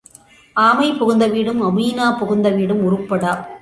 ஆமை புகுந்த வீடும் அமீனா புகுந்த விடும் உருப்படா.